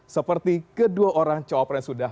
seperti kedua orang cowok pres sudah